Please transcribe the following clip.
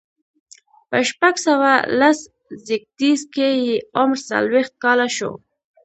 په شپږ سوه لس زيږديز کې یې عمر څلوېښت کاله شو.